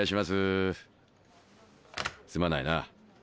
すまないな。